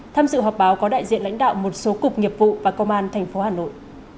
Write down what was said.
tham dự họp báo có đại diện lãnh đạo một số cục nghiệp vụ và công an tp hà nội